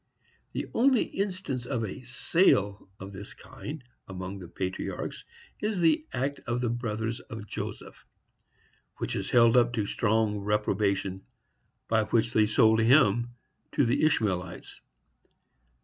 The only instance of a sale of this kind among the patriarchs is that act of the brothers of Joseph, which is held up to so strong reprobation, by which they sold him to the Ishmaelites.